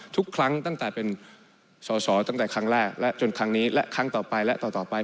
ทุกครั้งตั้งแต่เป็นสอสอตั้งแต่ครั้งแรกและจนครั้งนี้และครั้งต่อไปและต่อไป